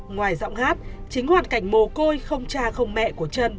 ngoài giọng hát chính hoàn cảnh mồ côi không cha không mẹ của chân